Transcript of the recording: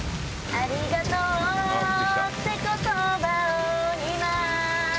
“ありがとう”って言葉をいま